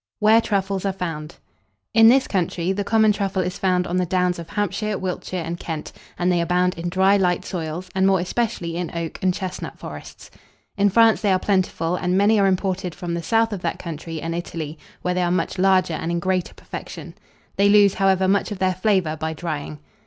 WHERE TRUFFLES ARE FOUND. In this country, the common truffle is found on the downs of Hampshire, Wiltshire, and Kent; and they abound in dry light soils, and more especially in oak and chestnut forests. In France they are plentiful, and many are imported from the south of that country and Italy, where they are much larger and in greater perfection: they lose, however, much of their flavour by drying.